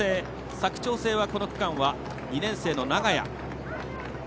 佐久長聖はこの区間は２年生の長屋。